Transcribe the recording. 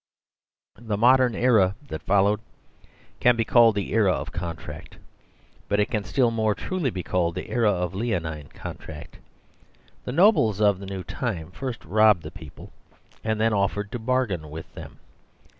The modern era that followed can be called the era of contract; but it can still more truly be called the era of leonine contract. The nobles of the new time first robbed the peo ple, and then offered to bargain with them.